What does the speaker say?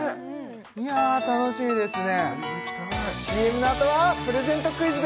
いや楽しみですね